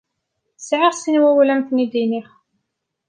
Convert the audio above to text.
Sɛiɣ sin wawalen ad m-ten-id-iniɣ.